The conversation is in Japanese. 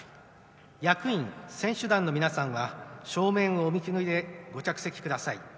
役員、選手団の皆さんは正面をお向きのうえご着席ください。